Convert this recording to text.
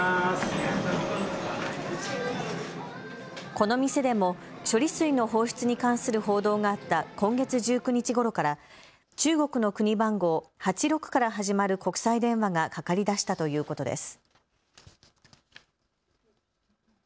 この店でも処理水の放出に関する報道があった今月１９日ごろから中国の国番号８６から始まる国際電話がかかりだしたということです。